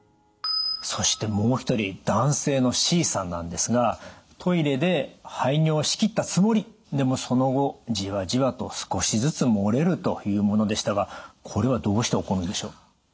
そしてもう一人男性のＣさんなんですがトイレで排尿し切ったつもりでもその後じわじわと少しずつ漏れるというものでしたがこれはどうして起こるんでしょう？